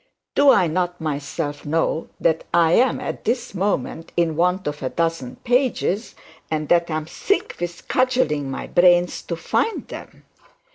Do I not myself know that I am at this moment in want of a dozen pages, and that I am sick with cudgelling my brains to find them?